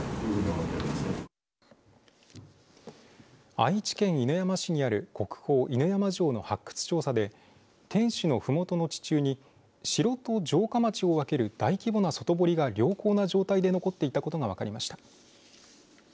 愛知県犬山市にある国宝、犬山城の発掘調査で天守のふもとの地中に城と城下町を分ける大規模な外堀が良好な状態で残っていたことが分かりました。